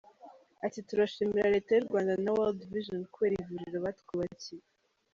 Ati : “Turashimira leta y’u Rwanda na World Vision kubera ivuriro batwubakiye.